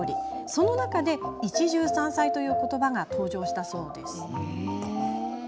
その中で、一汁三菜ということばが登場したそうです。